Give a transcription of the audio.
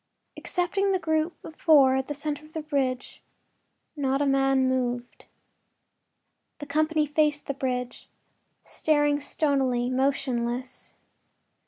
Excepting the group of four at the center of the bridge, not a man moved. The company faced the bridge, staring stonily, motionless.